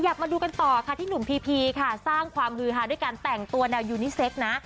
มาดูกันต่อค่ะที่หนุ่มพีพีค่ะสร้างความฮือฮาด้วยการแต่งตัวแนวยูนิเซ็กนะ